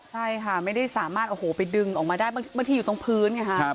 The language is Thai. ใช่ค่ะไม่ได้สามารถโอ้โหไปดึงออกมาได้บางทีอยู่ตรงพื้นไงฮะ